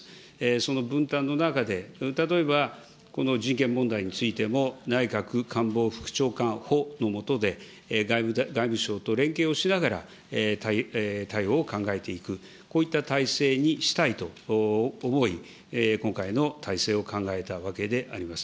その分担の中で、例えばこの人権問題についても、内閣官房副長官補の下で、外務省と連携をしながら対応を考えていく、こういった体制にしたいと思い、今回の体制を考えたわけであります。